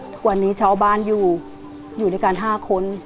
ทุกวันนี้ชาวบ้านอยู่อยู่ด้วยกัน๕คน